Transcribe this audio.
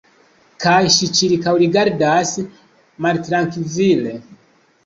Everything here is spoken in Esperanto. Kaj ŝi ĉirkaŭrigardadis maltrankvile.